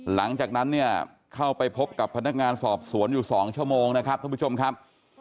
หลังจากนั้นเนี่ยเข้าไปพบกับพนักงานสอบสวนอยู่๒ชั่วโมงนะครับท่านผู้ชมครับ